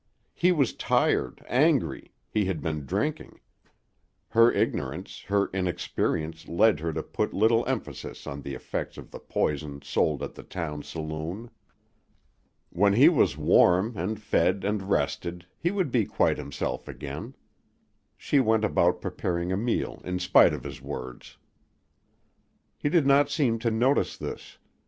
He was tired, angry, he had been drinking her ignorance, her inexperience led her to put little emphasis on the effects of the poison sold at the town saloon. When he was warm and fed and rested, he would be quite himself again. She went about preparing a meal in spite of his words. He did not seem to notice this.